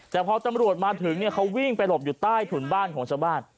แต่พอตำรวจมาถึงเขาวิ่งไปหลบอยู่ใต้ถุนบ้านของชาวบ้าน